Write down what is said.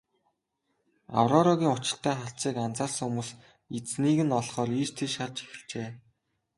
Аврорагийн учиртай харцыг анзаарсан хүмүүс эзнийг нь олохоор ийш тийш харж эхэлжээ.